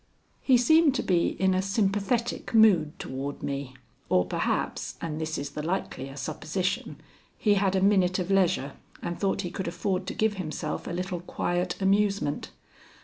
He seemed to be in a sympathetic mood toward me, or perhaps and this is the likelier supposition he had a minute of leisure and thought he could afford to give himself a little quiet amusement.